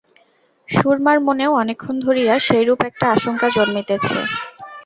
সুরমার মনেও অনেকক্ষণ ধরিয়া সেইরূপ একটা আশঙ্কা জন্মিতেছে।